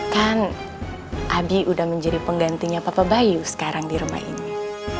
kan abi udah menjadi penggantinya papa bayu sekarang di rumah ini